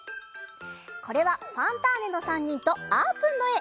これは「ファンターネ！」の３にんとあーぷんのえ！